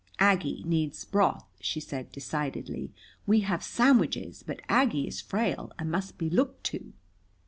"Aggie needs broth," she said decidedly. "We have sandwiches, but Aggie is frail and must be looked to."